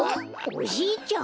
おじいちゃん。